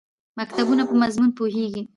مکتوبونو په مضمون پوهېږم.